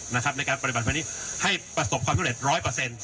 นะครับในการปฏิบัติภารกิจให้ประสบความสุดเร็จร้อยเปอร์เซ็นต์